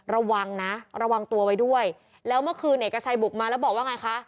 ระวังนะระวังตัวไว้ด้วยแล้วเมื่อคืนเอกชัยบุกมาแล้วบอกว่าไงคะ